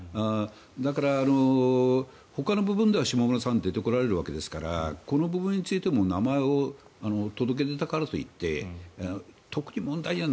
だから、ほかの部分では下村さんは出てこられるわけですからこの部分についても名前を届け出たからといって特に問題には